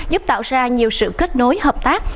giúp tạo ra nhiều sự kết nối hợp tác